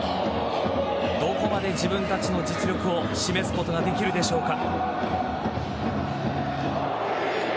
どこまで自分たちの実力を示すことができるでしょうか。